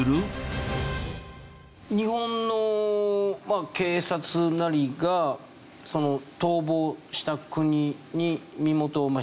日本の警察なりが逃亡した国に身元を引き渡してください。